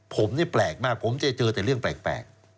ผมนี่แปลกมากผมจะเจอแต่เรื่องแปลก